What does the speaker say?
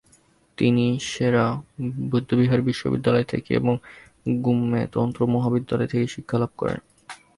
তিনি সে-রা বৌদ্ধবিহার বিশ্ববিদ্যালয় এবং গ্যুমে তন্ত্র মহাবিদ্যালয় থেকে শিক্ষালাভ করেন।